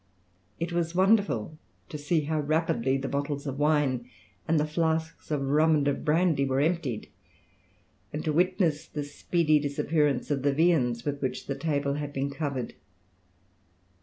It was wonderful to see how rapidly the bottles of wine and the flasks of rum and of brandy were emptied, and to witness the speedy disappearance of the viands with which the table had been covered.